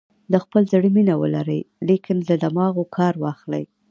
د خپل زړه مینه ولرئ لیکن له دماغو کار واخلئ.